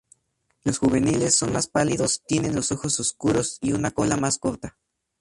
Los juveniles son más pálidos, tienen los ojos oscuros y una cola más corta.